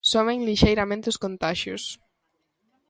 Soben lixeiramente os contaxios.